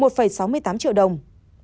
một sáu mươi tám triệu đồng